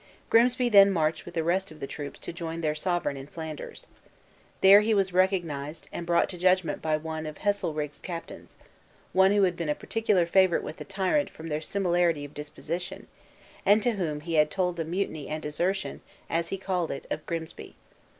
Grimsby then marched with the rest of the troops to join their sovereign in Flanders. There he was recognized, and brought to judgment by one of Heselrigge's captains; one who had been a particular favorite with the tyrant from their similarity of disposition, and to whom he had told the mutiny and desertion (as he called it) of Grimsby.